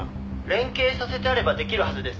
「連携させてあればできるはずです」